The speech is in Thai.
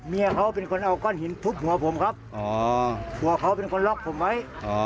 เอาก้อนหินทุบหัวผมครับหัวเขาเป็นคนลอกผมไว้